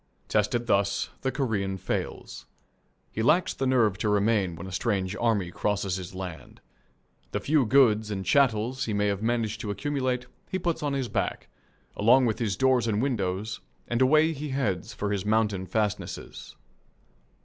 Tested thus, the Korean fails. He lacks the nerve to remain when a strange army crosses his land. The few goods and chattels he may have managed to accumulate he puts on his back, along with his doors and windows, and away he heads for his mountain fastnesses.